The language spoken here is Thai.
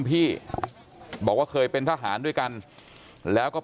แต่ว่าวินนิสัยดุเสียงดังอะไรเป็นเรื่องปกติอยู่แล้วครับ